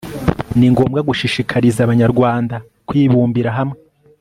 ni ngombwa gushishikariza abanyarwanda kwibumbira hamwe